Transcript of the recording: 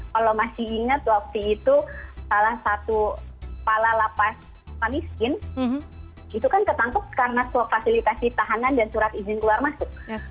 kalau masih ingat waktu itu salah satu kepala lapas mamiskin itu kan ketangkep karena fasilitasi tahanan dan surat izin keluar masuk